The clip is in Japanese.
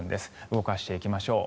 動かしていきましょう。